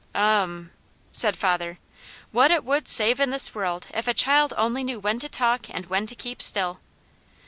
"Ummmm!" said father. "What it would save in this world if a child only knew when to talk and when to keep still.